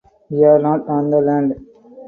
We’re not on the land.